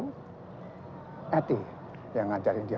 nettie yang mengajarin dia